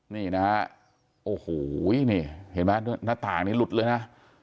นี่นะฮะโอ้โหนี่เห็นไหมหน้าต่างนี้หลุดเลยนะ